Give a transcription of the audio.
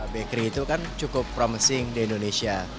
bakery itu kan cukup promising di indonesia